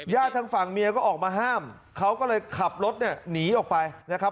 ทางฝั่งเมียก็ออกมาห้ามเขาก็เลยขับรถเนี่ยหนีออกไปนะครับ